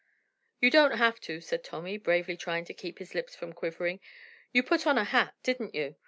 "You don't have to," said Tommy, bravely trying to keep his lips from quivering, "you put on a hat; didn't you?